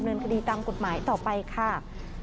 แต่เขาล็อกรถเข้าไปเลย